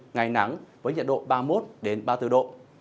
ngày nắng với nhiệt độ ba mươi một ba mươi bốn độ